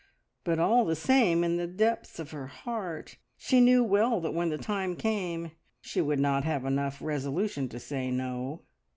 But all the same in the depths of her heart she knew well that when the time came she would not have enough resolution to say no.